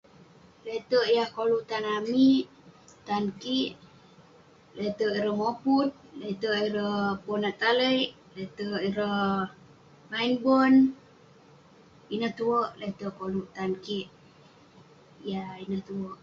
Lateik yah koluk tan amik tan kik lateik ireh mopun [unintelligible] lateik ireh ponak talet lateik ireh main bon ineh tuek lateik yah koluek tan kik.